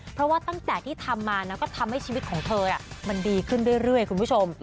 เพราะว่าตั้งแต่ที่ทำมานะก็ทำให้ชีวิตของเธอมันดีขึ้นเรื่อยคุณผู้ชม